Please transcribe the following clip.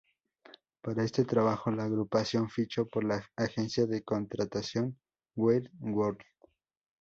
Para este trabajo, la agrupación fichó por la agencia de contratación Weird World.